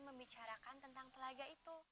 membicarakan tentang pelaga